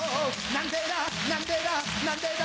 なんでだ？